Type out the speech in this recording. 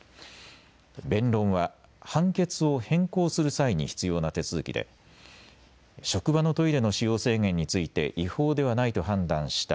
弁論は判決を変更する際に必要な手続きで職場のトイレの使用制限について違法ではないと判断した